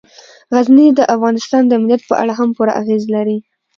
غزني د افغانستان د امنیت په اړه هم پوره اغېز لري.